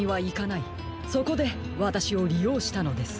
そこでわたしをりようしたのです。